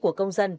của công dân